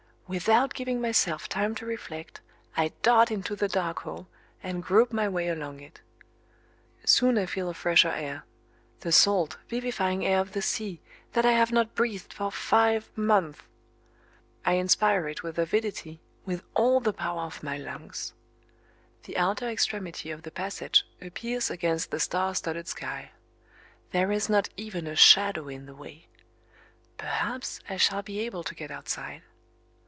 Without giving myself time to reflect I dart into the dark hole, and grope my way along it. Soon I feel a fresher air the salt, vivifying air of the sea, that I have not breathed for five months. I inspire it with avidity, with all the power of my lungs. The outer extremity of the passage appears against the star studded sky. There is not even a shadow in the way. Perhaps I shall be able to get outside.